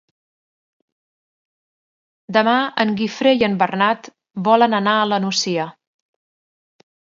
Demà en Guifré i en Bernat volen anar a la Nucia.